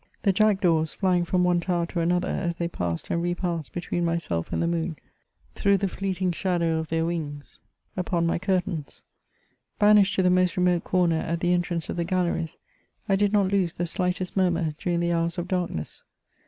The jackdaws, flying from one tower to another, as they passed and repassed between myself and the moon, threw the fleeting shadow of their wings upon my CHATEAUBRIAND. 1 25 curtains. Banished to the most remote comer at the entrance of the galleries, I did not lose the slightest murmur during the hours of darkness.